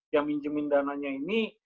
yang minjemin dananya ini